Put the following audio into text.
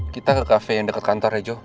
kita ke cafe yang deket kantor ya jo